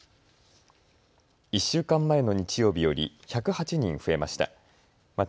１週間前の日曜日より１０８人増えました。